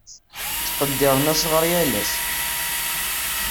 Ttqeddiren asɣar yal ass.